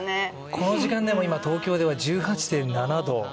この時間でも今、東京では１８．７度。